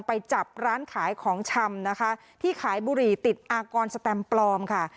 ไปจับร้านขายของชำนะคะที่ขายบุหรี่ติดอากรสแตมปลอมค่ะ